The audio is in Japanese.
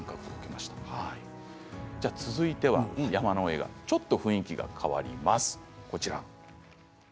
続いての山の映画はちょっと雰囲気が変わります。